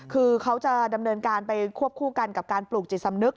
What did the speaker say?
คือเขาจะดำเนินการไปควบคู่กันกับการปลูกจิตสำนึก